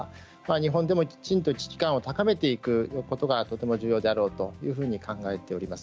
日本でもきちんと危機感を高めていくことがとても重要であろうと考えております。